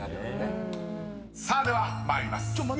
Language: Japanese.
［さあでは参ります。